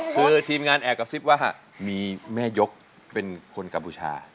คือทีมงานแอบกระซิบว่ามีแม่ยกเป็นคนกัมพูชา